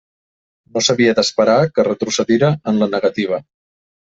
No s'havia d'esperar que retrocedira en la negativa.